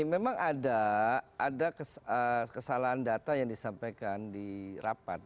memang ada kesalahan data yang disampaikan di rapat